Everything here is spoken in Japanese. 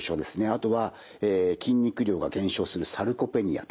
あとは筋肉量が減少するサルコペニアとか。